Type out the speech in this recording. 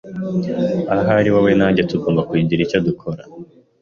Ahari wowe na njye tugomba kugira icyo dukora.